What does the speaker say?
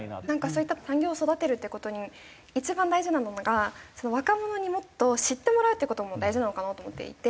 そういった産業を育てるっていう事に一番大事なのが若者にもっと知ってもらうっていう事も大事なのかなと思っていて。